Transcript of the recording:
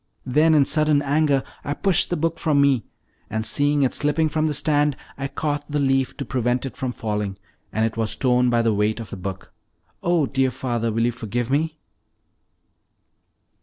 Then, in sudden anger, I pushed the book from me, and seeing it slipping from the stand I caught the leaf to prevent it from falling, and it was torn by the weight of the book. Oh, dear father, will you forgive me?"